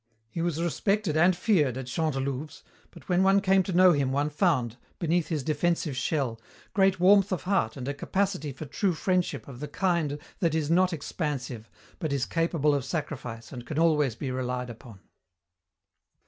He was respected and feared at Chantelouve's, but when one came to know him one found, beneath his defensive shell, great warmth of heart and a capacity for true friendship of the kind that is not expansive but is capable of sacrifice and can always be relied upon.